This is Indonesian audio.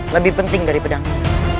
lebih penting dari pedangmu